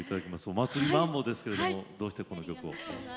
「お祭りマンボ」ですけれどもどうしてこの曲を？